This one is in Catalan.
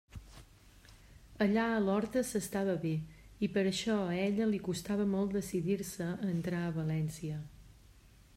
Allà a l'horta s'estava bé, i per això a ella li costava molt decidir-se a entrar a València.